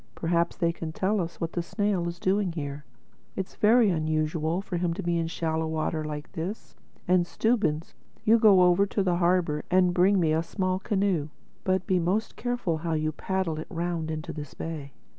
Perhaps they can tell us what the snail is doing here—It's very unusual for him to be in shallow water like this. And Stubbins, you go over to the harbor and bring me a small canoe. But be most careful how you paddle it round into this bay.